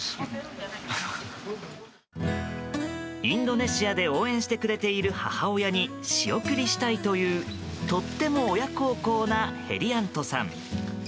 インドネシアで応援してくれている母親に仕送りしたいという、とっても親孝行なヘリアントさん。